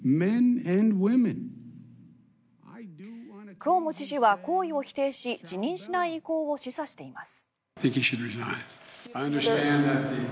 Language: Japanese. クオモ知事は行為を否定し辞任しない意向を示唆しています。